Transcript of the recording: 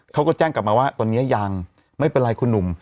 เขาก็แจ้งกลับมาว่าตอนนี้ยังไม่เป็นไรคุณหนุ่ม